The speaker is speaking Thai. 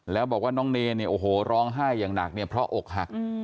แล้วบอกว่าน้องเนรเนี่ยโอ้โหร้องไห้อย่างหนักเนี่ยเพราะอกหัก